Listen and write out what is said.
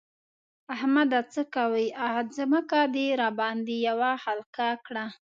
احمده! څه کوې؛ ځمکه دې راباندې يوه حقله کړه.